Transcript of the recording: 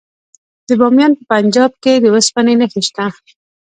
د بامیان په پنجاب کې د وسپنې نښې شته.